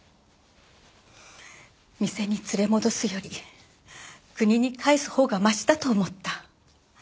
店に連れ戻すより国に帰すほうがましだと思った。